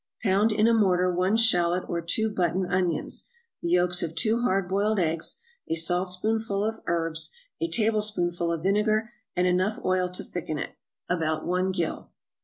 = Pound in a mortar one shallot or two button onions, the yolks of two hard boiled eggs, a saltspoonful of herbs, a tablespoonful of vinegar, and enough oil to thicken it, about one gill.